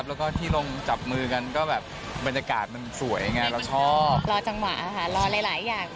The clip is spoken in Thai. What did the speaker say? จริงจริงเราก็มันใสเหรอ